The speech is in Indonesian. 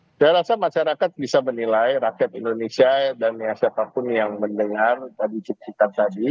saya rasa masyarakat bisa menilai rakyat indonesia dan siapapun yang mendengar tadi cip cita tadi